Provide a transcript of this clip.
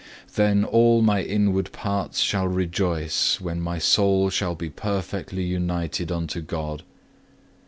Then all my inward parts shall rejoice, when my soul shall be perfectly united unto God.